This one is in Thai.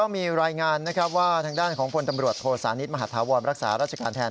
มีรายงานว่าทางด้านของคศนิษฐ์มศรักษารัชการแทน